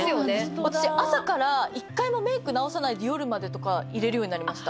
私朝から１回もメーク直さないで夜までとかいられるようになりました。